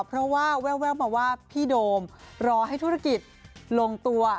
เพราะว่าแววมาว่าพี่โดมรอให้ธุรกิจลงตัว